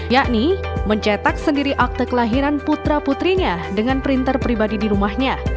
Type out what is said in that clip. yakni mencetak sendiri akte kelahiran putra putrinya dengan printer pribadi di rumahnya